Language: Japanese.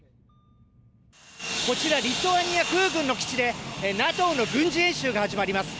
こちらはリトアニア空軍の基地でＮＡＴＯの軍事演習が始まります。